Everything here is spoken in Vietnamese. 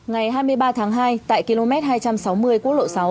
ngày hai mươi ba tháng hai tại km hai trăm sáu mươi quốc lộ sáu